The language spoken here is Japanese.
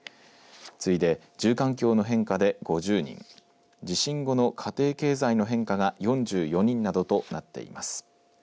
次いで住環境の変化で５０人地震後の家庭経済の変化が４４人などとなっています。